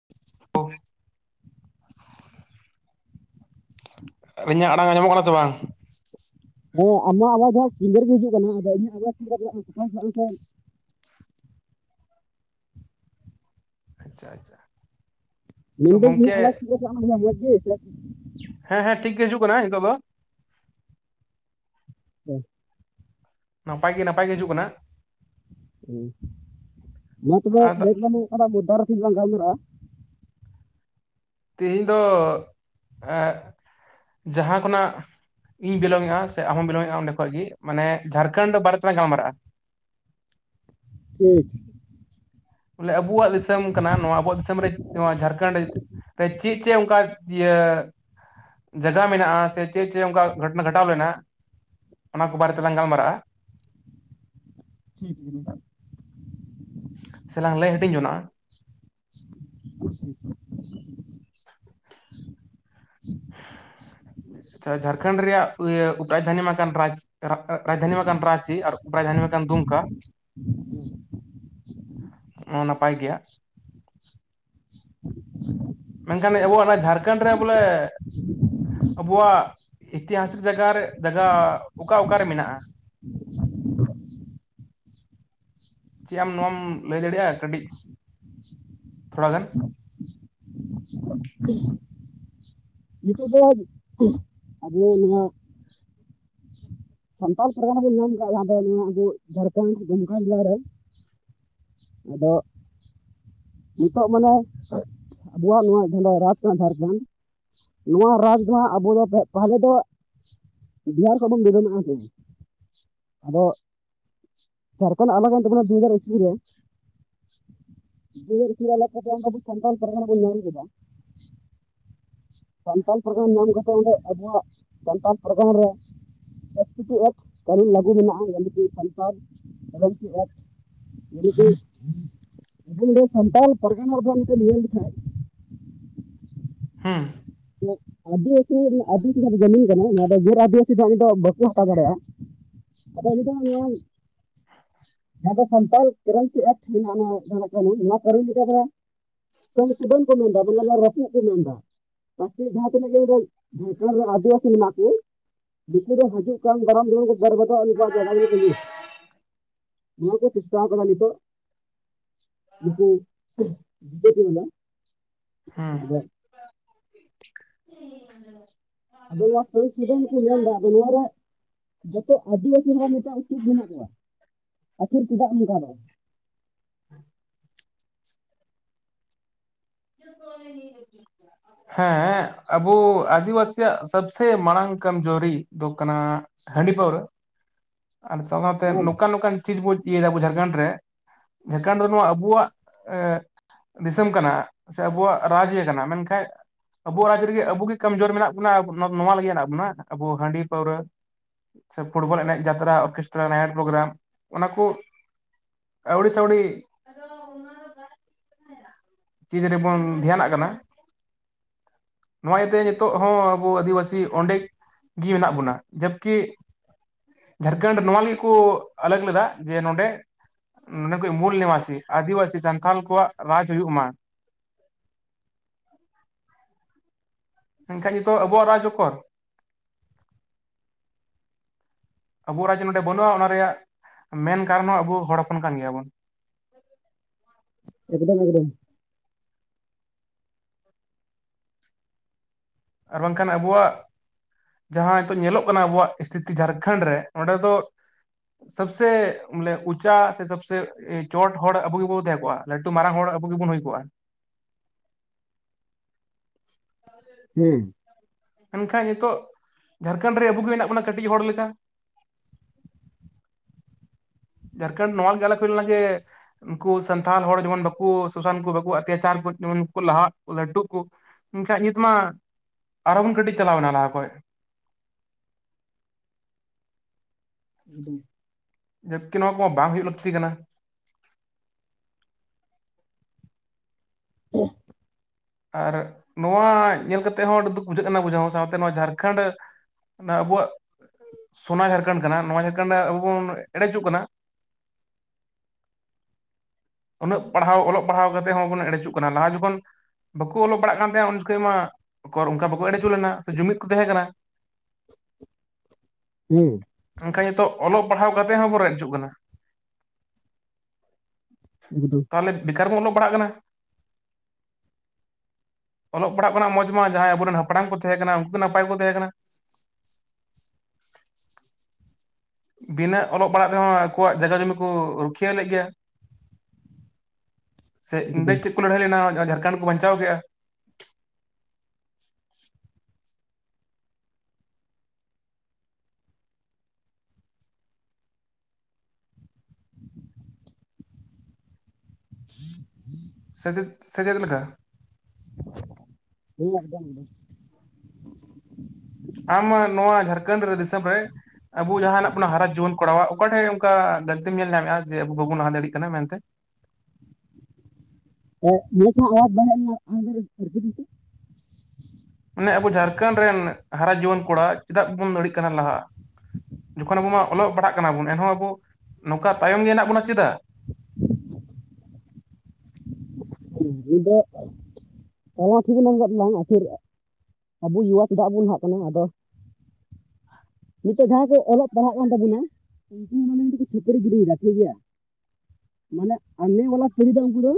[unintelligible] ᱟᱹᱞᱤᱧᱟᱹᱜ ᱟᱲᱟᱝ ᱟ ᱧᱟᱢᱚᱜ ᱠᱟᱱᱟ ᱥᱮ ᱵᱟᱝ ᱦᱮᱸ ᱟᱢᱟᱜ ᱟᱣᱟᱡ ᱫᱚ ᱠᱤᱞᱤᱭᱟᱨ ᱜᱮ ᱦᱤᱡᱩᱜ ᱠᱟᱱᱟ [unintelligible] ᱟᱪᱪᱷᱟ ᱟᱪᱪᱷᱟ ᱢᱮᱱᱟᱹᱫᱟᱹᱧ ᱜᱚᱝᱠᱮ [unintelligible] ᱦᱮᱸ ᱦᱮᱸ ᱴᱷᱤᱠ ᱜᱮ ᱦᱤᱡᱩᱜ ᱠᱟᱱᱟ ᱱᱤᱛᱚᱜ ᱫᱚ ᱚ ᱱᱟᱯᱟᱭ ᱜᱮ ᱱᱟᱯᱟᱭ ᱜᱮ ᱦᱤᱡᱩᱜ ᱠᱟᱱᱟ ᱢᱟ ᱛᱚᱵᱮ ᱟᱫᱚ [unintelligible] [unintelligible] ᱛᱮᱦᱮᱧ ᱫᱚ ᱮ ᱡᱟᱦᱟᱸ ᱠᱷᱚᱱᱟᱜ ᱤᱧ ᱵᱤᱞᱚᱝᱜᱼᱟ ᱥᱮ ᱟᱢ ᱦᱚᱸ ᱵᱤᱞᱚᱝ ᱮᱼᱟ ᱚᱸᱰᱮᱚᱡ ᱜᱮ ᱢᱟᱱᱮ ᱡᱷᱟᱲᱠᱷᱚᱸᱰ ᱫᱚ ᱵᱟᱨᱮᱛᱮᱞᱟ ᱜᱟᱞᱢᱟᱨᱟᱜᱼᱟ ᱴᱷᱤᱠ ᱵᱚᱞᱮ ᱟᱵᱚᱣᱟᱜ ᱫᱤᱥᱚᱢ ᱠᱟᱱᱟ ᱱᱚᱣᱟ ᱟᱵᱚᱣᱟᱜ ᱫᱤᱥᱚᱢ ᱨᱮ ᱱᱚᱣᱟ ᱡᱷᱟᱲᱠᱷᱚᱸᱰ ᱪᱮᱫ ᱪᱮᱫ ᱚᱱᱠᱟ ᱤᱭᱟᱹ ᱡᱟᱭᱜᱟ ᱢᱮᱱᱟᱜᱼᱟ ᱥᱮ ᱪᱮᱫ ᱪᱮᱫ ᱚᱱᱠᱟ ᱜᱷᱚᱴᱚᱱᱟ ᱜᱷᱚᱴᱟᱣ ᱞᱮᱱᱟ ᱚᱱᱟ ᱠᱚ ᱵᱟᱨᱮᱛᱮᱞᱟᱟᱝ ᱜᱟᱞᱢᱟᱨᱟᱜᱼᱟ ᱴᱷᱤᱠ ᱜᱮᱭᱟ ᱥᱮᱞᱟᱝ ᱞᱟᱹᱭ ᱦᱟᱹᱴᱤᱧ ᱡᱚᱱᱟᱜᱼᱟ ᱟᱪᱪᱷᱟ ᱡᱷᱟᱲᱠᱷᱚᱱᱰ ᱨᱮᱭᱟᱜ ᱨᱟᱡᱽᱫᱷᱟᱹᱱᱤ ᱢᱟᱠᱟᱱ ᱨᱟᱡᱽ ᱨᱟᱡᱽᱫᱟᱱᱤ ᱢᱟᱠᱟᱱ ᱨᱟᱸᱪᱤ ᱟᱨ ᱯᱨᱟᱭᱽᱫᱟᱱᱤ ᱢᱟ ᱠᱟᱱ ᱫᱩᱢᱠᱟ ᱚ ᱱᱟᱯᱟᱭ ᱜᱮᱭᱟ ᱢᱮᱱᱠᱷᱟᱱ ᱟᱵᱚᱣᱟᱜ ᱚᱱᱟ ᱡᱷᱟᱲᱠᱷᱚᱸᱰ ᱨᱮ ᱵᱚᱞᱮ ᱟᱵᱚᱣᱟᱜ ᱤᱛᱤᱦᱟᱥᱠ ᱡᱟᱭᱜᱟ ᱨᱮ ᱡᱟᱭᱜᱟ ᱚᱠᱟ ᱚᱠᱟᱨᱮ ᱢᱮᱱᱟᱜᱼᱟ ᱪᱮᱫ ᱟᱢ ᱱᱚᱣᱟᱢ ᱞᱟᱹᱭ ᱫᱟᱲᱮᱭᱟᱜᱼᱟ ᱠᱟᱹᱴᱤᱡ ᱛᱷᱚᱲ ᱜᱟᱱ ᱱᱤᱛᱳᱜ ᱫᱚ ᱟᱵᱚ ᱱᱚᱣᱟ ᱥᱟᱱᱛᱟᱲ ᱯᱟᱨᱜᱟᱱᱟ ᱵᱚᱱ ᱧᱟᱢ ᱟᱠᱟᱫᱟ ᱡᱟᱦᱟᱸ ᱫᱚ ᱱᱚᱣᱟ ᱟᱵᱚ ᱡᱷᱟᱲᱠᱷᱚᱸᱰ ᱫᱩᱢᱠᱟ ᱡᱮᱞᱟᱨᱮ ᱟᱫᱚ ᱱᱤᱛᱚᱜ ᱢᱟᱱᱮ ᱟᱵᱚᱣᱟᱜ ᱱᱚᱣᱟ ᱡᱟᱦᱟᱸ ᱫᱚ ᱨᱟᱡᱽ ᱨᱮᱱᱟᱜ ᱡᱷᱟᱲᱠᱷᱚᱸᱰ ᱱᱚᱣᱟ ᱨᱟᱡᱽ ᱫᱚ ᱦᱟᱸᱜ ᱟᱵᱚ ᱫᱚ ᱯᱟᱦᱞᱮ ᱫᱚ ᱵᱤᱦᱟᱨ ᱠᱷᱚᱡ ᱵᱚᱱ [unintelligible] ᱦᱩ ᱟᱫᱚ ᱡᱷᱟᱲᱠᱷᱚᱸᱰ ᱟᱞᱟᱜ ᱮᱱ ᱛᱟᱵᱚᱱᱟ ᱫᱩᱦᱟᱡᱟᱨ ᱤᱥᱩ ᱨᱮ ᱫᱩᱦᱥᱟᱨᱟ ᱞᱮᱠᱟᱛᱮ ᱟᱵᱚ ᱥᱟᱱᱛᱟᱲ ᱯᱟᱨᱜᱟᱱᱟ ᱵᱚᱱ ᱞᱟ. ᱭ ᱠᱮᱫᱟ ᱥᱟᱱᱛᱟᱲ ᱯᱟᱨᱜᱟᱱᱟ ᱧᱟᱢ ᱠᱟᱛᱮ ᱚᱸᱰᱮ ᱟᱵᱚᱣᱟᱜ ᱥᱟᱱᱛᱟᱲ ᱯᱟᱨᱜᱟᱱᱟ ᱨᱮ [unintelligible] ᱮᱠᱴ ᱪᱟᱹᱞᱩ ᱞᱟᱹᱜᱩ ᱢᱮᱱᱟᱜᱼᱟ ᱥᱟᱱᱛᱟᱲ ᱴᱮᱱᱮᱱᱥᱤ ᱮᱠᱴ ᱥᱟᱱᱛᱟᱞ ᱯᱟᱨᱜᱟᱱᱟ ᱵᱚᱱ ᱢᱮᱱ ᱞᱮᱠᱷᱟᱡ ᱦᱩᱸ ᱟᱹᱫᱤᱵᱟᱹᱥᱤ ᱟᱹᱫᱤᱵᱟᱹᱥᱤ ᱡᱟᱢᱤᱱ ᱠᱟᱱᱟ ᱱᱚᱣᱟ ᱫᱚ ᱜᱮᱨ ᱟᱹᱫᱤᱟᱹᱥᱤ ᱫᱚ ᱫᱚ ᱵᱟᱠᱚ ᱦᱟᱛᱟᱣ ᱫᱟᱲᱮᱭᱟᱜᱼᱟ ᱟᱫᱚ ᱟᱹᱰᱤ ᱫᱚ ᱱᱚᱣᱟ [unintelligible] ᱡᱟᱦᱟᱸ ᱫᱚ ᱥᱟᱱᱛᱟᱲ ᱴᱮᱱᱮᱱᱥᱤ ᱮᱠᱴ ᱢᱮᱱᱟᱜᱼᱟ ᱠᱟᱹᱱᱩᱱ ᱱᱚᱣᱟ ᱠᱟᱹᱱᱩᱱ ᱥᱮ ᱥᱩᱰᱟᱹᱱ ᱠᱚ ᱢᱮᱱᱫᱟ ᱵᱟᱝ ᱨᱟᱹᱯᱩᱫ ᱠᱚ ᱢᱮᱱᱫᱟ ᱛᱟᱠᱤ ᱡᱟᱦᱟᱸ ᱛᱤᱱᱟᱹᱜ ᱜᱮ ᱚᱰᱮ ᱡᱷᱟᱲᱠᱷᱚᱱᱰ ᱨᱮ ᱟᱹᱫᱤᱵᱟᱟᱹᱥᱤ ᱢᱮᱱᱟᱜ ᱠᱚ ᱫᱤᱠᱩ ᱫᱚ ᱦᱤᱡᱩᱜ ᱠᱟᱱ ᱫᱟᱨᱟᱢ ᱡᱮᱢᱚᱱ ᱠᱚ ᱵᱟᱹᱨ ᱵᱟᱛᱟᱚᱜ ᱟᱩᱠᱩᱣᱟᱜ ᱡᱟᱭᱜᱟ [inaudible] ᱠᱚ ᱞᱩ ᱱᱚᱣᱟ ᱠᱚ ᱪᱮᱥᱴᱟ ᱟᱠᱟᱫᱟ ᱱᱤᱛᱚᱜ ᱱᱩᱠᱩ ᱵᱤ ᱡᱮᱯᱤ ᱵᱟᱞᱟ ᱦᱮᱸ ᱟᱫᱚ ᱟᱫᱚ ᱱᱚᱣᱟ ᱥᱩᱫᱚᱱ ᱠᱚ ᱢᱮᱱ ᱮᱫᱟ ᱟᱫᱚ ᱱᱚᱣᱟ ᱨᱮ ᱡᱚᱛᱚ ᱟᱹᱫᱤᱵᱟᱹᱥᱤ ᱦᱚᱲ ᱱᱮᱛᱚᱜ ᱮᱠᱴᱤᱵ ᱵᱟ. ᱱᱩᱜ ᱠᱚᱣᱟ ᱟᱠᱷᱤᱨ ᱪᱮᱫᱟᱜ ᱱᱚᱝᱠᱟ ᱫᱚ [unintelligible] [unintelligible] ᱦᱮᱸ ᱟᱵᱚ ᱟᱹᱫᱤᱵᱥᱤᱭᱟᱜ ᱥᱚᱵᱥᱮ ᱢᱟᱲᱟᱝ ᱠᱚᱢ ᱡᱚᱨᱤ ᱫᱚ ᱠᱟᱱᱟ ᱦᱟᱺᱰᱤ ᱯᱟᱹᱣᱨᱟᱹ ᱟᱨ ᱡᱟᱣᱟ ᱛᱮ ᱦᱮᱸ ᱱᱚᱝᱠᱟᱱ ᱱᱚᱝᱠᱟᱱ ᱪᱤᱡᱽ ᱵᱚᱱ ᱤᱭᱟᱹ ᱫᱟ ᱟᱵᱚ ᱡᱷᱟᱲᱠᱷᱚᱱᱰ ᱨᱮ ᱡᱷᱟᱲᱠᱟᱱᱰ ᱨᱮᱫᱚ ᱟᱵᱚᱣᱟᱜ ᱮ ᱫᱤᱥᱚᱢ ᱠᱟᱱᱟ ᱥᱮ ᱟᱵᱚᱣᱟᱜ ᱨᱟᱡᱽᱤᱭᱟᱹ ᱠᱟᱱᱟ ᱢᱮᱱᱠᱷᱟᱡ ᱟᱵᱚ ᱨᱟᱡᱽ ᱨᱮᱜᱮ ᱟᱵᱚᱮ ᱜᱮ ᱠᱚᱢᱡᱳᱨ ᱢᱮᱱᱟᱜ ᱵᱚᱱᱟ ᱱᱚᱣᱟ ᱞᱟᱹᱜᱤᱫᱮ ᱦᱮᱱᱟᱜ ᱵᱚᱱᱟ, ᱟᱵᱚ ᱦᱟᱺᱰᱤ ᱯᱟᱹᱣᱨᱟᱹ ᱥᱮ ᱯᱷᱩᱴᱵᱚᱞ ᱮᱱᱮᱡ ᱡᱟᱛᱨᱟ ᱚᱨᱠᱮᱥᱴᱨᱟ ᱱᱟᱭᱤᱴ ᱯᱨᱳᱜᱨᱟᱢ ᱚᱱᱟ ᱠᱩ ᱟᱹᱣᱨᱤ ᱥᱟᱣᱲᱤ ᱠᱤ ᱡᱟᱱᱤ ᱵᱚᱱ ᱫᱷᱮᱭᱟᱱᱟᱜ ᱠᱟᱱᱟ ᱱᱚᱣᱟ ᱤᱭᱟᱹᱛᱮ ᱱᱤᱛᱚᱜ ᱦᱚᱸ ᱟᱵᱚ ᱟᱹᱫᱤᱵᱟᱹᱥᱤ ᱚᱸᱰᱮ ᱜᱮᱴᱤ ᱢᱮᱱᱟᱜ ᱵᱚᱱᱟ ᱡᱟᱵᱠᱤ ᱡᱷᱟᱲᱠᱷᱚᱱᱰ ᱱᱚᱣᱟ ᱞᱟ. ᱜᱤᱫ ᱠᱚ ᱟᱞᱟᱜ ᱞᱮᱫᱟ ᱡᱟᱵᱠᱤ ᱱᱚᱸᱰᱮ ᱠᱚ ᱢᱩᱞ ᱱᱮᱢᱟᱥᱤ ᱟᱹᱫᱤᱵᱟᱹᱥᱤ ᱥᱟᱱᱛᱷᱟᱞ ᱠᱚᱣᱟᱜ ᱨᱟᱡᱽ ᱦᱩᱭᱩᱜ ᱢᱟ ᱮᱱᱠᱷᱟᱱ ᱱᱤᱛᱳᱜ ᱟᱵᱚᱣᱟᱜ ᱨᱟᱡᱽ ᱚᱠᱚᱨ? ᱟᱵᱚᱣᱟᱜ ᱨᱟᱡ ᱱᱚᱰᱮ ᱵᱟᱹᱱᱩᱜᱼᱟ ᱚᱱᱟ ᱨᱮᱭᱟᱜ ᱢᱮᱱ ᱠᱟᱨᱚᱱ ᱦᱚᱸ ᱟᱵᱚ ᱦᱚᱲ ᱦᱚᱯᱚᱱ ᱠᱟᱱ ᱜᱮᱭᱟ ᱵᱩᱱ᱾ ᱮᱠᱫᱚᱢ ᱮᱠᱫᱚᱢ᱾ ᱟᱨ ᱵᱟᱝᱠᱷᱟᱱ ᱟᱵᱚᱣᱟᱜ ᱡᱟᱦᱟᱸ ᱱᱤᱛᱚᱜ ᱧᱮᱞᱚᱜ ᱠᱟᱱᱟ ᱟᱵᱚᱣᱟᱜ ᱤᱥᱛᱷᱤᱛᱤ ᱡᱷᱟᱲᱠᱷᱚᱸᱰ ᱨᱮ ᱚᱸᱰᱮ ᱫᱚ ᱥᱚᱵᱥᱮ ᱵᱚᱞᱮ ᱩᱪᱟ ᱥᱮ ᱥᱚᱵᱥᱮ ᱪᱚᱴ ᱦᱚᱲ ᱟᱵᱚ ᱜᱮᱵᱚ ᱛᱟᱦᱮᱸ ᱠᱚᱜᱼᱟ᱾ ᱞᱟᱹᱴᱩ ᱢᱟᱨᱟᱝ ᱦᱚᱲ ᱟᱵᱚ ᱜᱮᱵᱚᱱ ᱦᱩᱭ ᱠᱚᱜᱼᱟ᱾ ᱦᱩᱸ ᱢᱮᱱᱠᱷᱟᱱ ᱱᱤᱛᱚᱜ ᱡᱷᱟᱲᱠᱷᱚᱸᱰ ᱨᱮ ᱟᱵᱚ ᱜᱮ ᱢᱮᱱᱟᱜ ᱵᱚᱱᱟ ᱠᱟᱹᱴᱤᱡ ᱦᱚᱲ ᱞᱮᱠᱟ᱾ ᱡᱷᱟᱲᱠᱷᱚᱸᱰ ᱱᱚᱣᱟ ᱜᱮᱞᱮ ᱦᱩᱭ ᱞᱮᱱᱟ ᱡᱮ ᱩᱱᱠᱩ ᱥᱟᱱᱛᱷᱟᱞ ᱦᱚᱲ ᱡᱮᱢᱚᱱ ᱵᱟᱠᱩ ᱥᱳᱥᱟᱱ ᱠᱚ ᱵᱟ ᱚᱛᱛᱟᱪᱟᱨ ᱠᱚ ᱡᱮᱢᱚᱱ ᱩᱱᱠᱩ ᱞᱟᱦᱟᱜ ᱞᱟᱹᱴᱩ ᱠᱚ ᱮᱱᱠᱷᱟᱱ ᱱᱤᱛ ᱢᱟ ᱟᱨᱚ ᱵᱚᱱ ᱠᱟᱹᱴᱤᱡ ᱪᱟᱞᱟᱣᱱᱟ ᱞᱟᱦᱟ ᱠᱷᱚᱱᱚᱡ᱾ [inaudible] ᱡᱟᱵᱠᱤ ᱱᱚᱣᱟ ᱠᱚᱢᱟ ᱵᱟᱝ ᱦᱳᱭᱳᱜ ᱞᱟᱹᱠᱛᱤ ᱠᱟᱱᱟ᱾ [inaudible] ᱟᱨ ᱱᱚᱣᱟ ᱧᱮᱞ ᱠᱟᱛᱮᱜ ᱦᱚᱸ ᱟᱹᱰᱤ ᱫᱩᱠ ᱵᱩᱡᱷᱟᱹᱜ ᱠᱟᱱᱟ ᱵᱩᱡᱷᱟᱹᱣ ᱥᱟᱶᱛᱮ ᱱᱚᱣᱟ ᱡᱷᱟᱲᱠᱷᱚᱸᱰ ᱚᱱᱟ ᱟᱵᱚᱣᱟᱜ ᱥᱳᱱᱟ ᱡᱷᱟᱲᱠᱷᱚᱸᱰ ᱠᱟᱱᱟ ᱱᱚᱣᱟ ᱡᱷᱟᱲᱠᱷᱚᱸᱰ ᱨᱮ ᱟᱵᱚ ᱵᱚᱱ ᱮᱲᱮ ᱦᱚᱪᱚᱜ ᱠᱟᱱᱟ᱾ ᱩᱱᱟᱹᱜ ᱯᱟᱲᱦᱟᱣ ᱚᱞᱚᱜ ᱯᱟᱲᱦᱟᱣ ᱠᱟᱛᱮ ᱦᱚᱸᱵᱚᱱ ᱮᱲᱮᱪᱚᱜ ᱠᱟᱱᱟ, ᱞᱟᱦᱟ ᱡᱚᱠᱷᱚᱱ ᱵᱟᱠᱚ ᱚᱞᱚᱜ ᱯᱟᱲᱟᱜ ᱠᱟᱱ ᱛᱟᱦᱮᱸᱱᱟ ᱩᱱ ᱡᱚᱠᱷᱚᱱ ᱢᱟ ᱚᱠᱚᱨ ᱚᱱᱠᱟ ᱵᱟᱠᱚ ᱮᱲᱮᱪᱚ ᱞᱮᱱᱟ, ᱥᱮ ᱡᱩᱢᱤᱫ ᱠᱚ ᱛᱟᱦᱮᱸ ᱠᱟᱱᱟ᱾ ᱦᱩᱸ ᱢᱮᱱᱱᱠᱷᱟᱱ ᱱᱤᱛᱚᱜ ᱚᱞᱚᱜ ᱯᱟᱲᱦᱟᱣ ᱠᱟᱛᱮᱜ ᱦᱚᱸᱵᱚᱱ ᱨᱮᱡ ᱦᱤᱡᱩᱜ ᱠᱟᱱᱟ᱾ ᱮᱠᱫᱚᱢ ᱛᱟᱦᱚᱞᱮ ᱵᱮᱠᱟᱨ ᱵᱚᱱ ᱚᱞᱚᱜ ᱯᱟᱲᱟᱜ ᱠᱟᱱᱟ᱾ ᱚᱞᱚᱜ ᱯᱟᱲᱦᱟᱜ ᱠᱷᱱᱟᱜ ᱢᱚᱡᱽ ᱢᱟ ᱡᱟᱦᱟᱸᱭ ᱟᱵᱚᱨᱮᱱ ᱦᱟᱯᱲᱟᱢ ᱠᱚ ᱛᱟᱦᱮᱸ ᱠᱟᱱᱟ, ᱩᱱᱠᱩ ᱱᱟᱯᱟᱭ ᱠᱚ ᱛᱟᱦᱮᱸ ᱠᱟᱱᱟ᱾ ᱵᱤᱱᱟᱹ ᱚᱞᱚᱜ ᱯᱟᱲᱦᱟᱜ ᱨᱮᱦᱚᱸ ᱟᱠᱚᱣᱟᱜ ᱡᱟᱭᱜᱟ ᱡᱩᱚᱢᱤ ᱠᱚ ᱨᱩᱠᱷᱤᱭᱟᱹ ᱞᱮᱫ ᱜᱮᱭᱟ᱾ ᱥᱮ ᱤᱰᱮ [unintelligible] ᱪᱮᱫ ᱠᱚ ᱞᱟᱹᱲᱦᱟᱹᱭ ᱞᱮᱱᱟ ᱡᱷᱟᱲᱠᱷᱚᱸᱰ ᱠᱚ ᱵᱟᱧᱪᱟᱣ ᱠᱮᱫᱼᱟ᱾ [unintelligible] ᱥᱮ ᱪᱮᱫ ᱥᱮ ᱪᱮᱫ ᱞᱮᱠᱟ? ᱦᱩᱸ ᱮᱫᱚᱢᱫᱚᱢ᱾ ᱟᱢ ᱱᱚᱣᱟ ᱡᱷᱟᱲᱠᱷᱚᱸᱰ ᱨᱮ ᱫᱤᱥᱚᱢ ᱨᱮ ᱟᱵᱚ ᱡᱟᱦᱱᱟᱜ ᱵᱚᱱᱟ ᱦᱟᱨᱟ ᱡᱩᱣᱟᱹᱱ ᱠᱚᱨᱟᱣᱟ ᱚᱠᱟᱴᱷᱮᱱ ᱚᱱᱠᱟ ᱜᱟᱹᱛᱮᱢ ᱧᱮᱞ ᱧᱟᱢᱮᱫᱼᱟ ᱡᱮ ᱟᱵᱚ ᱵᱟᱵᱚᱱ ᱞᱟᱦᱟ ᱫᱟᱲᱮᱭᱟᱜ ᱠᱟᱱᱟ ᱢᱮᱱᱛᱮ᱾ ᱢ ᱪ ᱟᱡ ᱵᱟ ᱟᱠ ᱫ [unintelligible] [inaudible] ᱢᱟᱱᱮ ᱟᱵᱚ ᱡᱷᱟᱲᱠᱷᱚᱸᱰ ᱨᱮᱱ ᱦᱟᱨᱟ ᱡᱩᱣᱟᱹᱱ ᱠᱚᱲᱟ ᱪᱮᱫᱟᱜ ᱵᱚᱱ ᱫᱟᱲᱭᱟᱜ ᱠᱟᱱᱟ ᱞᱟᱦᱟ? ᱡᱚᱠᱷᱚᱱ ᱟᱵᱚ ᱢᱟ ᱚᱞᱚᱜ ᱯᱟᱲᱦᱟᱜ ᱠᱟᱱᱟ ᱵᱚᱱ ᱮᱱᱦᱚᱸ ᱟᱵᱚ ᱱᱚᱝᱠᱟ ᱛᱟᱭᱚᱢ ᱜᱮ ᱦᱮᱱᱟᱜ ᱵᱚᱱᱟ ᱪᱮᱫᱟᱜ? ᱦᱮᱸ ᱱ ᱫᱚ ᱛᱟᱞ ᱢᱟ ᱴᱷᱤᱠᱱᱟᱢ ᱠᱟ ᱵᱟᱝ ᱟᱹᱠᱷᱤᱨ ᱟᱵᱚ ᱡᱩᱣᱟ ᱪᱮᱫᱟᱜ ᱵᱚᱱ ᱞᱟᱦᱟᱜ ᱠᱟᱱᱟ ᱟᱫᱚ ᱱᱤᱛᱚᱜ ᱡᱟᱦᱟᱸ ᱠᱚ ᱚᱞᱚᱜ ᱯᱟᱲᱦᱟᱜ ᱠᱟᱱ ᱛᱟᱵᱚᱱᱟ ᱩᱱᱠᱩ ᱦᱚᱸ ᱢᱟᱱᱮ ᱫᱚᱠᱚ ᱪᱷᱟᱹᱯᱟᱹᱨᱤ ᱜᱤᱰᱤᱭᱮᱫᱟ ᱴᱷᱤᱠᱜᱮᱭᱟ ᱢᱟᱱᱮ ᱟᱹᱱᱮ ᱵᱟᱞᱟ ᱯᱤᱲᱦᱤ ᱫᱚ ᱩᱱᱠᱩ ᱫᱚ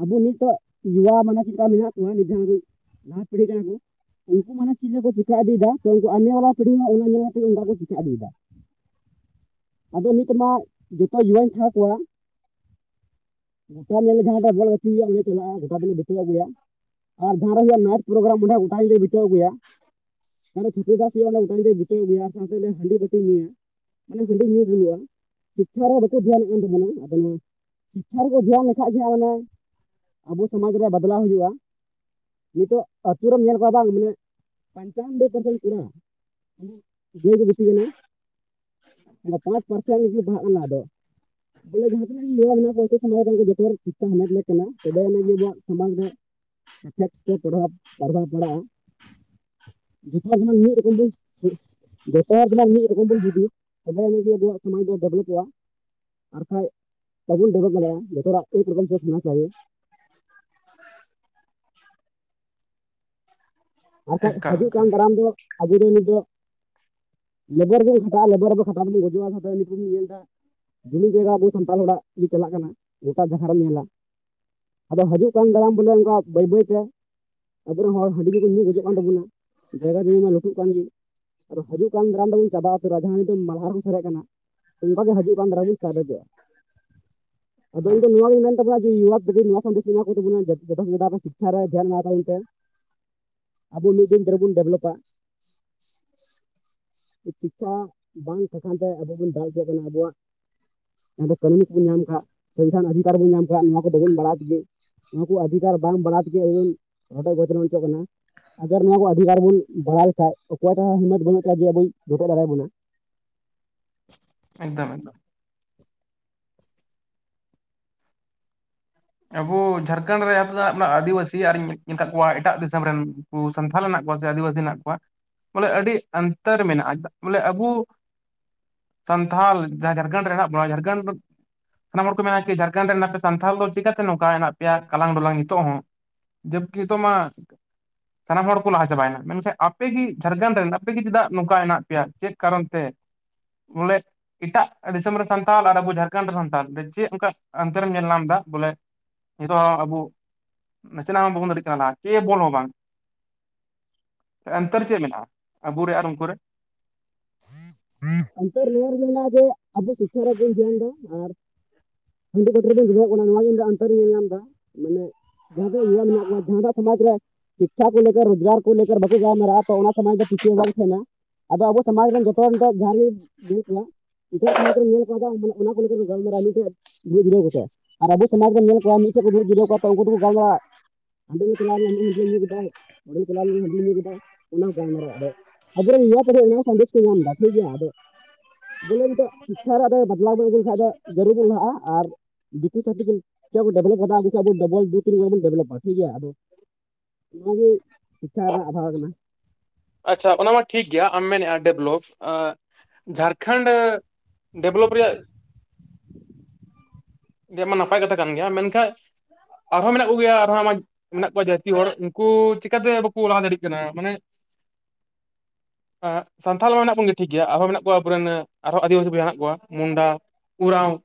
ᱟᱵᱚ ᱱᱤᱛᱚᱜ ᱡᱩᱣᱟ ᱢᱟᱱᱮ ᱪᱮᱫ ᱞᱮᱠᱟ ᱢᱮᱱᱟᱜ ᱠᱚᱣᱟ ᱩᱱᱠᱩ ᱫᱚ ᱞᱟᱦᱟ ᱯᱤᱲᱦᱤ ᱠᱟᱱᱟ ᱠᱚ ᱩᱱᱠᱩ ᱢᱟᱱᱮ ᱪᱮᱫ ᱞᱮᱠᱟᱠᱩ ᱪᱤᱠᱟᱹ ᱤᱫᱤᱭᱮᱫᱟ ᱛᱚ ᱩᱱᱠᱩ ᱟᱞᱮ ᱵᱟᱞᱟ ᱯᱤᱲᱦᱤ ᱦᱚᱸ ᱚᱱᱟ ᱧᱮᱞ ᱠᱟᱜ ᱜᱮ ᱩᱱᱚᱱᱠᱩ ᱪᱤᱠᱟᱹ ᱤᱫᱤᱭᱮᱫᱟ [unintelligible] ᱟᱫᱚ ᱱᱤᱛ ᱢᱟ ᱡᱚᱛᱚ ᱡᱩᱣᱧ ᱛᱟᱦᱮᱸ ᱠᱚᱣᱟ᱾ ᱛᱟᱦᱚᱞᱮ ᱡᱟᱦᱟᱸᱴ ᱵᱚᱞ ᱦᱩᱭᱩᱜᱼᱟ ᱚᱸᱰᱮ ᱪᱟᱞᱟᱜᱼᱟ ᱜᱚᱴᱟᱤᱱᱮ ᱵᱤᱟᱹᱣ ᱟᱹᱜᱩᱭᱟ ᱟᱨ ᱡᱟᱦᱟᱸ ᱨᱮᱮ ᱦᱩᱭᱩᱜᱼᱟ ᱱᱟᱭᱤᱴ ᱯᱨᱳᱜᱨᱟᱢ ᱚᱸᱰᱮ ᱜᱚᱴᱟ ᱫᱤᱱᱞᱮ ᱵᱤᱟᱹᱣᱜᱩᱭᱟ᱾ ᱪᱷᱟᱹᱯᱤ ᱰᱷᱟᱥ ᱦᱩᱭᱩᱜᱼᱟ ᱜᱚᱴᱟ ᱫ ᱵᱤᱛᱟᱹ ᱟᱹᱜᱩᱭᱟ ᱟᱨ ᱥᱟᱶᱛᱮ ᱦᱟᱺᱰᱤ ᱵᱟᱹᱴᱤ ᱧᱩᱭᱟ᱾ ᱢᱟᱱᱮ ᱦᱟᱺᱰᱤ ᱧᱩ ᱵᱟᱜᱤᱦᱩᱭᱩᱜᱼᱟ ᱥᱤᱠᱠᱷᱟ ᱨᱮ ᱵᱟᱠᱚ ᱫᱷᱮᱭᱟᱱᱮᱫ ᱠᱟᱱ ᱛᱟᱵᱚᱱᱟ ᱟᱫᱚ ᱱᱚᱣᱟ ᱥᱤᱠᱠᱷᱟ ᱨᱮᱠᱚ ᱫᱷᱮᱭ ᱵᱟᱠᱷᱟᱡ ᱜᱮ ᱦᱚ ᱢᱟᱱᱮ ᱟᱵᱚ ᱥᱚᱢᱟᱡᱽ ᱨᱮ ᱵᱟᱫᱽᱞᱟᱣ ᱦᱩᱭᱩᱜᱼᱟ᱾ ᱱᱤᱛᱚᱜ ᱟᱹᱛᱩ ᱨᱮᱢ ᱧᱮᱞ ᱠᱚᱣᱟ ᱵᱟᱝ ᱢᱟᱱᱮ ᱯᱚᱧᱪᱟᱱᱵᱵᱚᱭ ᱯᱟᱨᱥᱮᱱ ᱠᱚᱲᱟ [inaudible] ᱜᱩᱯᱤ ᱟᱱᱤ ᱚᱱᱟ ᱯᱟᱸᱪ ᱯᱟᱨᱥᱮᱱᱩᱜ ᱯᱟᱲᱟᱜ ᱠᱟᱱᱟ ᱟᱫᱚ ᱵᱚᱞᱮ ᱡᱟᱦᱟᱸ ᱛᱤᱱᱟᱹᱜ ᱜᱮ ᱢᱮᱱᱟᱜ ᱠᱚ ᱥᱚᱢᱟᱡᱽ ᱨᱮᱱ ᱚᱨ ᱪᱮᱛᱟ ᱦᱟᱢᱮᱫ ᱞᱮ ᱠᱟᱱᱟ ᱛᱚᱵᱮ ᱟᱱᱟᱜᱮ ᱟᱵᱚᱣᱟᱜ ᱥᱚᱢᱟᱡᱽ ᱨᱮ ᱮᱯᱷᱮᱠᱴᱥ ᱛᱮ ᱯᱟᱲ ᱯᱟᱲᱦᱟᱣ ᱯᱟᱲᱟᱜᱼᱟ᱾ ᱡᱩᱛᱚ ᱢᱤᱫ ᱨᱚᱠᱚᱢ ᱫᱚ ᱫᱚᱥᱟᱨ ᱢᱤᱫ ᱨᱚᱠᱚᱢ ᱵᱚᱱ ᱡᱩᱫᱤ ᱛᱚᱵᱮ ᱟᱱᱟᱮ ᱟᱵᱚᱣᱟᱜ ᱥᱚᱢᱟᱡ ᱫᱚ ᱰᱮᱵᱷᱞᱚᱯᱚᱜᱼᱟ᱾ ᱟᱨᱠᱟᱱᱡ ᱵᱟᱵᱚᱱ ᱰᱵᱷ ᱫᱟᱲᱮᱭᱟᱜᱼᱟ᱾ ᱡᱚᱛᱚ ᱮᱠ ᱨᱚᱠᱚᱢ ᱥᱳᱥ ᱪᱮ [unintelligible] ᱟᱨ ᱵᱟᱠᱷᱟᱡ ᱮᱠᱟᱞ ᱦᱤᱡᱩᱜ ᱮᱠᱟᱞ ᱠᱟᱱ ᱫᱟᱨᱟᱢ ᱫᱚ ᱟᱵᱚ ᱫᱚ ᱱᱤᱛ ᱫᱚ ᱞᱮᱵᱚᱨ ᱠᱷᱟᱴᱟᱜᱼᱟ᱾ ᱞᱮᱵᱟᱨ ᱠᱷᱟᱟᱣ ᱫᱚᱢ ᱜᱚᱡᱚᱜᱼᱟ ᱧᱮᱞ ᱮᱫᱟ ᱡᱩᱢᱤᱫ ᱡᱟᱭᱜᱟ ᱟᱵᱚ ᱥᱟᱱᱛᱟᱲ ᱦᱚᱲᱟᱜ ᱜᱮ ᱪᱟᱞᱟᱜ ᱠᱟᱱᱟ ᱜᱚᱴᱟ ᱡᱟᱭᱜᱟ ᱨᱮᱢ ᱧᱮᱞᱟ ᱟᱫᱚ ᱦᱤᱡᱩᱜ ᱠᱟᱱ ᱫᱟᱨᱟᱢ ᱵᱚᱞᱮ ᱵᱟᱹᱭ ᱵᱟᱹᱭᱛᱮ ᱟᱵᱚᱨᱮᱱ ᱦᱚᱲ ᱦᱟᱺᱰᱤ ᱜᱮᱚᱜᱠᱚᱚᱱ ᱧᱩᱪᱼᱟ᱾ ᱠᱷᱚᱡᱚᱜ ᱠᱟᱱ ᱛᱟᱵᱚᱱᱟ ᱡᱟᱭᱜᱟ ᱡᱚᱢᱤ ᱢᱟ ᱞᱩᱴᱩᱜ ᱠᱟᱱ ᱜᱮ ᱟᱫᱚ ᱦᱤᱡᱩᱜ ᱠᱟᱱ ᱫᱟᱨᱟᱢ ᱫᱚᱵᱚᱱ ᱪᱟᱵᱟ ᱩᱛᱟᱹᱨᱚᱜᱟ ᱡᱟᱦᱟᱸ ᱱᱤᱛ ᱫᱚ ᱢᱟᱞᱦᱟ ᱨᱮᱠᱚ ᱥᱮᱨᱮᱮᱫ ᱠᱟᱱᱟ᱾ ᱚᱱᱠᱟ ᱜᱮ ᱦᱤᱡᱩᱜ ᱠᱟᱱ ᱫᱟᱨᱟ ᱵᱚᱱ ᱥᱟᱨᱨᱮᱡᱚᱜᱼᱟ [unintelligible] ᱟᱫᱚ ᱤᱧ ᱱᱚᱣᱟ ᱜᱮᱧ ᱛᱟᱵᱚᱱᱟ ᱡᱮᱩᱣᱟᱜ ᱯᱤᱲᱦᱤ ᱱᱚᱣᱟ ᱥᱟᱱᱫᱮᱥ ᱤᱧ ᱮᱢᱟ ᱠᱚ ᱛᱟᱵᱚᱱᱟ ᱡᱚᱛᱚ ᱡᱟ ᱟᱯ ᱥᱤᱠᱷᱟ ᱨᱮ ᱫᱷᱮᱭᱟᱱ ᱮᱢᱟ ᱛᱟᱵᱚᱱ ᱯᱮ ᱟᱵᱚ ᱢᱤᱫ ᱫᱤᱱ ᱫᱷᱮᱨ ᱵᱚᱱ ᱰᱮᱵᱷᱞᱚᱯᱟ ᱥᱤᱪᱪᱷᱟ ᱵᱟᱝ ᱴᱠᱷᱟᱱ ᱛᱮ ᱟᱵᱚ ᱵᱚᱱ ᱫᱟᱞ ᱦᱚᱪᱚᱣᱟᱜ ᱠᱟᱱᱟ ᱟᱵᱚᱣᱟᱜ ᱡᱟᱦᱟᱸ ᱫᱚ ᱠᱟᱹᱱᱩᱱ ᱠᱚᱵᱚᱱ ᱧᱟᱢ ᱠᱷᱟ ᱥᱚᱝᱵᱤᱫᱷᱟᱱ ᱚᱫᱷᱤᱠᱟᱨ ᱵᱚᱱ ᱧᱟᱢ ᱠᱷᱟ ᱱᱚᱣᱟ ᱠᱚᱫᱚ ᱵᱟᱵᱚᱱ ᱵᱟᱲᱟᱭ ᱛᱮᱜᱮ ᱱᱚᱣᱟ ᱠᱚ ᱚᱫᱷᱤᱠᱟᱨ ᱵᱟᱝ ᱵᱟᱲᱟ ᱛᱮᱜᱮ ᱟᱵᱚ ᱵᱚᱱ ᱨᱚᱴᱚᱡ ᱜᱚᱪᱚᱞᱚᱱ ᱚᱪᱚᱜ ᱠᱟᱱᱟ᱾ ᱟᱜᱟᱨ ᱱᱚᱣᱟ ᱠᱚ ᱚᱷᱤᱠᱟᱨ ᱵᱚᱱ ᱵᱟᱲᱲᱟ ᱞᱮᱠᱟᱱ ᱚᱭᱴᱟᱜ ᱦᱚᱸ ᱦᱤᱢᱛ ᱵᱟᱹᱱᱩᱜ ᱛᱟᱭᱟ ᱡᱮ ᱟᱵ ᱞᱚᱴᱮᱫ ᱫᱟᱲᱮᱭᱟ ᱵᱚᱱᱟ ᱮᱠᱫᱚᱢ ᱮᱠᱫᱚᱢ ᱟᱵᱚ ᱡᱷᱟᱲᱠᱷᱚᱸᱰ ᱨᱮᱱᱟᱜ ᱟᱹᱫᱤᱵᱟᱹᱥᱤ ᱟᱨᱤᱧ ᱢᱮᱛᱟᱫ ᱠᱚᱣᱟ ᱮᱴᱟᱜ ᱫᱤᱥᱚᱢ ᱨᱮᱱ ᱥᱟᱱᱛᱷᱟ ᱦᱮ ᱠᱚᱣᱟ ᱥᱮ ᱟᱹᱫᱤᱵᱟᱹᱥᱤ ᱦᱮᱱᱟᱜ ᱠᱚᱣᱟ ᱵᱚᱞᱮ ᱟᱹᱰᱤ ᱚᱱᱛᱚᱨ ᱢᱮᱱᱟᱜᱼᱟ᱾ ᱵᱚᱞᱮ ᱟᱵᱚ ᱥᱟᱱᱛᱷᱟᱞ ᱡᱟᱦᱟᱸ ᱡᱷᱟᱲᱠᱷᱚᱸᱰ ᱨᱮ ᱦᱮᱱᱟᱜ ᱵᱚᱱᱟ ᱡᱷᱟᱲᱠᱷᱚᱸᱰ ᱚᱱᱟᱱᱟ ᱦᱚᱲ ᱠᱚ ᱢᱮ ᱡᱷᱟᱲᱠᱷᱚᱸᱰ ᱨᱮᱱᱮ ᱥᱛᱷᱟ ᱫᱚ ᱪᱤᱠᱠᱟ ᱱᱚᱝᱠᱟ ᱦᱮᱱᱟᱜ ᱯᱮᱭᱟ ᱠᱟᱞᱟᱝ ᱰᱚᱞᱟᱝ ᱱᱤᱛᱚᱜ ᱦᱚᱸ ᱡᱚᱵᱠᱤ ᱱᱤᱛᱚᱜ ᱢᱟ ᱥᱟᱱᱟᱢ ᱦᱚᱲ ᱠᱚ ᱞᱟᱦᱟ ᱪᱟᱵᱟᱭᱮᱱᱟ ᱢᱮᱱᱠᱷᱟᱱ ᱟᱯᱮᱜᱮ ᱡᱷᱟᱲᱠᱷᱚᱸᱰ ᱨᱮᱱ ᱟᱯᱮᱜᱮ ᱪᱮᱫᱟᱜ ᱱᱚᱝᱠᱟ ᱢᱮᱱᱟᱜ ᱯᱮᱭᱟ ᱪᱮᱫ ᱠᱟᱨᱚᱱ ᱛᱮ ᱵᱚᱞᱮ ᱮᱴᱟᱜ ᱫᱤᱥᱚᱢ ᱨᱮ ᱥᱟᱱᱛᱟᱞ ᱟᱨ ᱟᱵᱚ ᱡᱷᱟᱲᱠᱷᱚᱸᱰ ᱨᱮ ᱥᱟᱱᱛᱟᱞ ᱪᱮᱫ ᱚᱱᱠᱟ ᱚᱱᱛᱚᱨᱮᱢ ᱧᱮᱞ ᱧᱟᱢ ᱮᱫᱟ ᱵᱚᱞᱮ ᱱᱤᱛᱚᱜ ᱦᱚᱸ ᱟᱵᱚ ᱱᱟᱥᱮᱱᱟᱜ ᱦᱚᱸ ᱵᱟᱵᱚᱱ ᱫᱟᱲᱮ ᱠᱮᱫᱟ ᱠᱮ ᱵᱚᱞ ᱦᱚᱸ ᱵᱟᱝ ᱚᱱᱛᱚᱨ ᱪᱮᱫ ᱢᱮᱱᱟᱜᱼᱟ ᱟᱵᱚᱨᱮ ᱟᱨ ᱩᱱᱠᱩ ᱨᱮ ᱚᱱᱛᱚᱨ ᱱᱚᱣᱟ ᱨᱮᱜᱮ ᱢᱮᱱᱟᱜᱼᱟ ᱡᱮ ᱟᱵᱚ ᱥᱤᱠᱷᱟ ᱨᱮᱭᱟᱜ ᱵᱚᱱ ᱫᱷᱮᱭᱟᱱ ᱫᱟ ᱟᱨ ᱦᱟᱺᱰᱤ ᱵᱟᱺᱴᱤ ᱨᱮ ᱵᱚᱱ ᱡᱚᱵᱮᱜ ᱠᱟᱱᱟ ᱱᱚᱣᱟ ᱨᱮ ᱤᱧ ᱫᱚ ᱚᱱᱛᱚᱨ ᱨᱮᱧ ᱧᱮᱞᱟᱢ ᱮᱫᱟ ᱢᱟᱱᱮ ᱡᱟᱦᱟᱸ ᱭᱩᱵᱟ ᱢᱮᱱᱟᱜ ᱠᱚᱣᱟ ᱡᱟᱦᱟᱸᱴᱟᱜ ᱥᱚᱢᱟᱡᱽ ᱨᱮ ᱥᱤᱠᱷᱟ ᱠᱚ ᱨᱳᱡᱽᱜᱟᱨ ᱠᱚ ᱵᱟᱠᱚ ᱜᱟᱞᱢᱟᱨᱟᱣᱚᱜ-ᱟ ᱛᱚ ᱚᱱᱟᱛᱮ ᱥᱚᱢᱟᱡᱽ ᱫᱚ ᱯᱤᱪᱷᱟᱹ ᱦᱚᱸ ᱵᱟᱝ ᱛᱟᱦᱮᱱᱟ ᱟᱫᱚ ᱟᱵᱚ ᱥᱚᱢᱟᱡᱽ ᱨᱮᱱ ᱡᱚᱛᱚ ᱦᱚᱲᱟᱜ ᱡᱟᱦᱟᱸᱮ ᱧᱮᱞ ᱠᱚᱣᱟ ᱮᱴᱟᱜ ᱥᱚᱢᱟᱡᱽ ᱨᱮᱢ ᱧᱮᱞ ᱠᱚᱣᱟ ᱚᱱᱟ ᱠᱚ ᱞᱟᱹᱜᱤᱫᱚᱱ ᱜᱟᱞᱢᱟᱨᱟ ᱢᱤᱫᱴᱮᱱᱩ ᱫᱷᱤᱨᱮ ᱫᱷᱤᱨᱮ ᱠᱟᱛᱮ, ᱟᱨ ᱟᱵᱚ ᱥᱚᱢᱟᱡᱽ ᱨᱮᱱ ᱧᱮᱞ ᱠᱚᱣᱟ ᱪᱚ ᱠᱚ ᱫᱩᱲᱩ ᱜᱽᱟᱹᱣ ᱠᱚᱣᱟ ᱩᱱᱠᱩ ᱫᱚᱠᱚ ᱜᱟᱞᱢᱟᱨᱟᱣᱚᱜ-ᱟ᱾ ᱦᱟᱸᱰᱮ ᱫᱚ ᱪᱟᱞᱟᱣ ᱦᱟᱺᱰᱤ ᱧᱩ ᱠᱮᱫᱟ, ᱦᱚᱰᱮᱧ ᱪᱟᱣ ᱞᱮᱱᱟ ᱦᱟᱺᱰᱤᱧ ᱧᱩ ᱠᱮᱫᱟ᱾ ᱚᱱᱟ ᱦᱚᱸ ᱜᱟᱞᱢᱟᱨᱟᱣ ᱟᱫᱚ ᱟᱵᱚᱨᱮᱱ ᱱᱚᱣᱟ ᱠᱚᱨᱮ ᱚᱱᱟ ᱦᱚᱸ ᱥᱟᱱᱫᱮᱥ ᱠᱚ ᱧᱟᱢ ᱮᱫᱟ ᱴᱷᱤᱠ ᱜᱮᱭᱟ ᱟᱫᱚ ᱵᱚᱞᱮ ᱱᱤᱛᱚᱜ ᱥᱤᱠᱠᱷᱟ ᱨᱮᱫᱚ ᱵᱚᱫᱞᱟᱣ ᱵᱚᱱ ᱟᱹᱜᱩ ᱞᱮᱠᱷᱟᱱ ᱫᱚ ᱡᱟᱹᱨᱩ ᱵᱚᱱ ᱞᱟᱦᱟᱜᱼᱟ᱾ ᱟᱨ ᱫᱤᱠᱩ ᱪᱷᱟᱛᱤᱠ ᱪᱮᱫ ᱠᱚ ᱰᱮᱵᱷᱞᱚᱯ ᱠᱟᱫᱟ ᱩᱱ ᱟᱵᱚ ᱰᱚᱵᱚᱞ ᱫᱩ ᱛᱤᱱ ᱦᱚᱲ ᱵᱚᱱ ᱰᱮᱵᱷᱞᱚᱯᱟ ᱴᱷᱤᱠ ᱜᱮᱭᱟ, ᱟᱫᱚ ᱱᱚᱣᱟ ᱜᱮ ᱥᱤᱠᱠᱷᱟ ᱨᱮᱱᱟᱜ ᱟᱵᱷᱟᱣᱟ ᱠᱟᱱᱟ ᱟᱪᱪᱷᱟ ᱚᱱᱟ ᱢᱟ ᱴᱷᱤᱠ ᱜᱮᱭᱟ ᱟᱢ ᱢᱮᱱᱮᱫᱼᱟ ᱰᱮᱵᱷᱞᱚᱯ ᱡᱷᱟᱲᱠᱷᱚᱸᱰ ᱰᱮᱵᱷᱞᱚᱯ ᱨᱮᱭᱟᱜ [unintelligible] ᱜᱮᱢᱟ ᱱᱟᱯᱟᱭ ᱠᱟᱛᱷᱟ ᱠᱟᱱ ᱜᱮᱭᱟ ᱢᱮᱱᱠᱷᱟᱱ ᱟᱨᱦᱚᱸ ᱢᱮᱱᱟᱜ ᱠᱚᱜᱮᱭᱟ ᱟᱨᱦᱚᱸ ᱟᱢᱟᱜ ᱢᱮᱱᱟᱜ ᱠᱚᱣᱟ ᱡᱟᱹᱛᱤ ᱦᱚᱲ ᱩᱱᱠᱩ ᱪᱮᱠᱟᱛᱮ ᱵᱟᱠᱚ ᱞᱟᱦᱟ ᱫᱟᱲᱮᱭᱟᱜ ᱠᱟᱱᱟ ᱢᱟᱱᱮ ᱥᱟᱱᱛᱷᱟᱞ ᱢᱟ ᱢᱮᱱᱟᱜ ᱵᱚᱱ ᱜᱮ ᱴᱷᱤᱠ ᱜᱮᱭᱟ ᱟᱨᱦᱚᱸ ᱢᱮᱱᱟᱜ ᱠᱚᱣᱟ ᱟᱵᱚᱨᱮᱱ ᱟᱨᱦᱚᱸ ᱟᱹᱫᱤᱵᱟᱹᱥᱤ ᱵᱚᱭᱦᱟ ᱢᱮᱱᱟᱜ ᱠᱚᱣᱟ ᱢᱩᱱᱰᱟ ᱳᱨᱟᱣ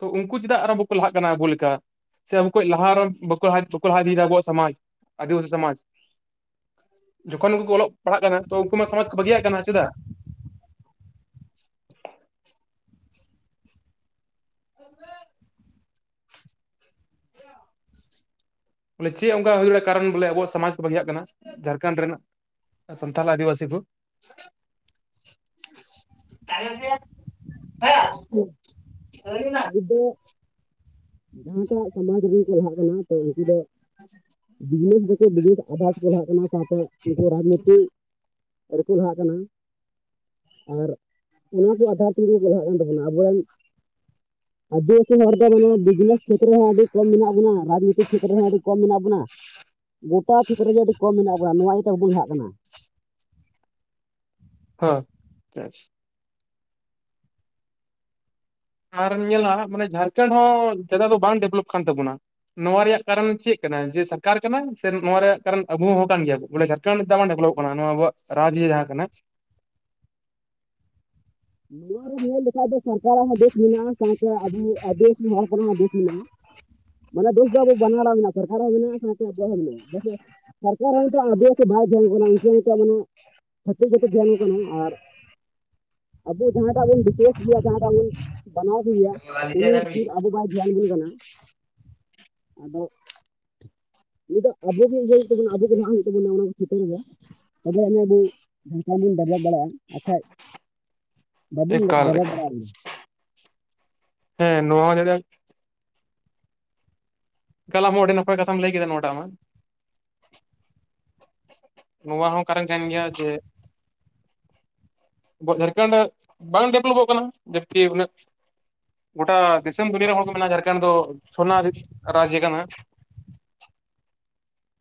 ᱛᱚ ᱩᱱᱠᱩ ᱪᱮᱫᱟᱜ ᱟᱨ ᱵᱟᱠᱚ ᱞᱟᱦᱟᱜ ᱠᱟᱱᱟ ᱟᱵᱚ ᱞᱮᱠᱟ? ᱥᱮ ᱟᱵᱚᱠᱚ ᱞᱟᱦᱟ ᱨᱮ ᱵᱟᱠᱚ ᱞᱟᱦᱟ ᱤᱫᱤᱭᱮᱫᱟ ᱟᱵᱚᱣᱟᱜ ᱥᱚᱢᱟᱡᱽ, ᱟᱹᱫᱤᱵᱟᱟᱹᱥᱤ ᱥᱚᱢᱟᱡᱽ᱾ ᱡᱚᱠᱷᱚᱱ ᱩᱱᱠᱩ ᱚᱞᱚᱜ ᱯᱟᱲᱦᱟᱜ ᱠᱟᱱᱟ ᱛᱚ ᱩᱱᱠᱩ ᱢᱟ ᱥᱚᱢᱟᱡᱽ ᱠᱚ ᱵᱟᱹᱜᱤᱭᱟᱜ ᱠᱟᱱᱟ ᱪᱮᱫᱟᱜ? ᱵᱚᱞᱮ ᱪᱮᱫ ᱚᱱᱠᱟ ᱦᱩᱭ ᱫᱟᱲᱭᱟᱜᱼᱟ ᱠᱟᱨᱚᱱ ᱵᱚᱞᱮ ᱟᱵᱚᱣᱟᱜ ᱥᱚᱢᱟᱡᱽ ᱠᱚ ᱵᱟᱝᱜᱟᱜ ᱠᱟᱱᱟ, ᱡᱷᱟᱲᱠᱷᱚᱸᱰ ᱨᱮᱱᱟᱜ? ᱥᱟᱱᱛᱷᱟᱞ ᱟᱫᱤᱵᱟ. ᱥᱤ ᱠᱚ, ᱦᱮᱸ ᱦᱳᱭ ᱮᱱᱟ? ᱡᱟᱦᱟᱸ ᱞᱮᱠᱟᱱᱟᱜ ᱥᱚᱢᱟᱡᱽ ᱨᱮᱱ ᱠᱚ ᱞᱟᱦᱟᱜ ᱠᱟᱱᱟ ᱛᱚ ᱩᱱᱠᱩ ᱫᱚ [inaudible] ᱵᱤᱡᱽᱱᱮᱥ ᱫᱚᱠᱚ ᱵᱤᱡᱽᱱᱮᱥ ᱟᱫᱷᱟᱛ ᱯᱟᱲᱦᱟᱜ ᱠᱟᱱᱟ ᱥᱟᱶᱛᱮ ᱩᱱᱠᱩ ᱨᱟᱡᱽᱱᱳᱭᱛᱤᱠ ᱟᱨᱠᱳ ᱞᱟᱦᱟᱜ ᱠᱟᱱᱟ, ᱟᱨ ᱚᱱᱟ ᱠᱚ ᱟᱫᱷᱟᱨ ᱛᱮᱜᱮ ᱠᱚ ᱪᱟᱞᱟᱜ ᱠᱟᱱ ᱛᱟᱵᱚᱱᱟ ᱟᱵᱚᱨᱮᱱ ᱟᱹᱫᱤᱵᱟᱹᱥᱤ ᱦᱚᱲ ᱫᱚ ᱢᱟᱱᱮ ᱵᱤᱡᱽᱱᱮᱥ ᱪᱷᱮᱛᱨᱚ ᱦᱚᱸ ᱟᱹᱰᱤ ᱠᱚᱢ ᱢᱮᱱᱟᱜ ᱵᱚᱱᱟ ᱨᱟᱡᱽᱱᱤᱛᱤ ᱪᱷᱮᱛᱨᱮᱚ ᱦᱚᱸ ᱟᱹᱰᱤ ᱠᱚᱢ ᱢᱮᱱᱟᱜ ᱵᱚᱱᱟ᱾ ᱜᱚᱴᱟ ᱠᱷᱮᱛᱨᱮ ᱨᱮᱜᱮ ᱟᱹᱰᱤ ᱠᱚᱢ ᱢᱮᱱᱟᱜ ᱵᱚᱱᱟ ᱱᱚᱣᱟ ᱤᱭᱟᱹᱛᱮ ᱵᱟᱵᱚᱱ ᱞᱟᱦᱟᱜ ᱠᱟᱱᱟ᱾ ᱦᱮᱸ [inaudible] ᱟᱨᱚᱢ ᱧᱮᱞᱟ ᱢᱟᱱᱮ ᱡᱷᱟᱲᱠᱷᱚᱸᱰ ᱦᱚᱸ ᱫᱚᱢᱮ ᱫᱚ ᱵᱟᱝ ᱰᱮᱵᱷᱞᱚᱯ ᱠᱟᱱ ᱛᱟᱵᱚᱱᱟ ᱱᱚᱣᱟ ᱨᱮᱭᱟᱜ ᱠᱟᱨᱚᱱ ᱪᱮᱫ ᱠᱟᱱᱟ ᱡᱮ ᱥᱚᱨᱠᱟᱨ ᱠᱟᱱᱟ ᱥᱮ ᱱᱚᱣᱟ ᱨᱮᱭᱟᱜ ᱠᱟᱨᱚᱱ ᱟᱵᱩ ᱦᱚᱸ ᱠᱟᱱ ᱜᱮᱭᱟ ᱵᱚᱱ ᱵᱚᱞᱮ ᱡᱟ. ᱛ ᱟᱵ ᱰᱮᱵᱞᱚᱯ ᱠᱟᱱᱟ ᱱᱚᱣᱟ ᱟᱵᱚᱣᱟᱜ ᱨᱟᱡᱽ ᱜᱮ ᱡᱟᱦᱟᱸ ᱠᱟᱱᱟ᱾ ᱱᱚᱣᱟ ᱨᱮ ᱧᱮᱞ ᱞᱮᱱᱠᱷᱟᱱ ᱫᱚ ᱥᱚᱨᱠᱟᱨᱟᱜ ᱦᱚᱸ ᱫᱳᱥ ᱢᱮᱱᱟᱜᱼᱟ, ᱥᱟᱶᱛᱮ ᱟᱵᱚ ᱟᱫᱤᱢ ᱦᱚᱲ ᱦᱚᱯᱚᱱᱟᱜ ᱦᱚᱸ ᱫᱳᱥ ᱢᱮᱱᱟᱜᱼᱟ᱾ ᱢᱟᱱᱮ ᱫᱳᱥ ᱫᱚ ᱟᱵᱚ ᱵᱟᱱᱟ ᱦᱚᱲᱟᱜ ᱢᱮᱱᱟᱜ ᱟᱠᱟᱫ ᱥᱚᱨᱠᱟᱨ ᱦᱚᱸ ᱢᱮᱱᱟᱜᱼᱟ ᱥᱟᱶᱛᱮ ᱟᱵᱚᱣᱟᱜ ᱦᱚᱸ ᱢᱮᱱᱟᱜᱼᱟ ᱥᱚᱨᱠᱟᱨ ᱦᱚᱸ ᱱᱤᱛᱚᱜ ᱟᱫᱤᱥᱤ ᱵᱟᱭ ᱡᱚᱢ ᱵᱚᱱᱟ ᱩᱱᱠᱩ ᱦᱚᱸ ᱱᱤᱛᱚᱜ ᱢᱟᱱᱮ ᱪᱷᱟᱛᱤᱠ ᱜᱮᱠᱚ ᱫᱷᱮᱭᱟᱱᱟᱜ ᱠᱚ ᱠᱟᱱᱟ ᱟᱨ ᱟᱵᱚ ᱡᱟᱦᱟᱸᱴᱟᱜ ᱵᱚᱱ ᱵᱤᱥᱟᱹᱥ ᱜᱮᱭᱟ ᱡᱟᱦᱟᱸᱴᱟᱜ ᱵᱚᱱ ᱢᱟᱱᱟᱣ ᱤᱫᱤᱭᱟ ᱩᱱᱤ ᱠᱷᱩᱫ ᱟᱵᱚ ᱵᱟᱭ ᱫᱷᱮᱭᱟᱱ ᱵᱚᱱ ᱠᱟᱱᱟ ᱟᱫᱚ ᱱᱩᱤ ᱫᱚ ᱟᱵᱚ ᱜᱮ ᱤᱭᱟᱹ ᱜᱮ ᱦᱩᱭᱩᱜ ᱛᱟᱵᱚᱱᱟ ᱚᱱᱟ ᱠᱚ ᱥᱮᱴᱮᱞᱮᱭᱟ ᱛᱚᱵᱮ ᱟᱹᱱᱮ ᱟᱵᱚ ᱡᱷᱟᱲᱠᱷᱚᱸᱰ [inaudible] ᱵᱚᱱ ᱰᱮᱵᱷᱞᱚᱯ ᱫᱟᱲᱮᱭᱟᱜᱼᱟ ᱵᱟᱠᱷᱟᱡ ᱵᱟᱵᱚᱱ ᱰᱮᱵᱷᱞᱚᱯ ᱮᱠᱟᱞ ᱞᱮᱠᱟ ᱫᱟᱲᱮᱭᱟᱜᱼᱟ ᱦᱮᱸ ᱱᱚᱣᱟ ᱫᱚ [inaudible] ᱮᱠᱟᱞ ᱟᱢ ᱦᱚᱸ ᱚᱸᱰᱮ ᱱᱟᱯᱟᱭ ᱠᱟᱛᱷᱟ ᱞᱟᱹᱭ ᱠᱮᱫᱟ ᱱᱚᱴᱟ ᱢᱟ ᱱᱚᱣᱟ ᱦᱚᱸ ᱠᱟᱨᱚᱱ ᱠᱟᱱ ᱜᱮᱭᱟ ᱡᱮ ᱟᱵᱚ ᱡᱷᱟᱲᱠᱷᱚᱱᱰ ᱵᱟᱝ ᱰᱮᱵᱷᱞᱚᱯᱚᱜ ᱠᱟᱱᱟ ᱡᱟᱹᱵᱽ ᱠᱤ ᱩᱱᱟᱹᱜ ᱜᱚᱴᱟ ᱫᱤᱥᱚᱢ ᱫᱩᱱᱤᱭᱟᱹ ᱨᱮ ᱦᱚᱲ ᱢᱮᱱᱟᱜᱼᱟ ᱡᱷᱟᱨᱠᱷᱚᱸᱰ ᱫᱚ ᱥᱳᱱᱟ ᱨᱟᱡᱽ ᱠᱟᱱᱟ